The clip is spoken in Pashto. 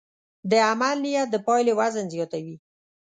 د عمل نیت د پایلې وزن زیاتوي.